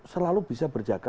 selalu bisa berjaga